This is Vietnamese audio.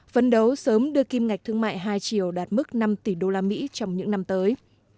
phấn đấu sớm đưa kim ngạch thương mại hai triệu đạt mức năm tỷ usd trong những năm tới